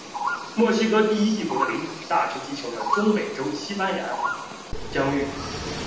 墨西哥第一帝国的领土大致上继承了中美洲的新西班牙疆域。